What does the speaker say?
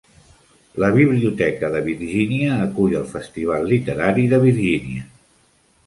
La biblioteca de Virgínia acull el festival literari de Virgínia.